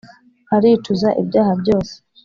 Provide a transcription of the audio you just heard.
aricuza ibyaha byoseee ,